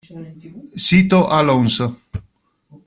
Sito Alonso